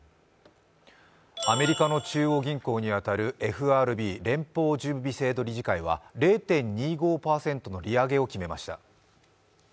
アメリカの中央銀行に当たるＦＲＢ＝連邦準備制度理事会は０．２５％の利上げを決めました。